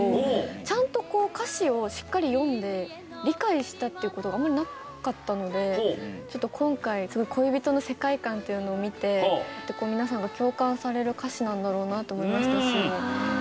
ちゃんとこう歌詞をしっかり読んで理解したっていう事があんまりなかったのでちょっと今回その恋人の世界観っていうのを見て皆さんが共感される歌詞なんだろうなと思いましたし。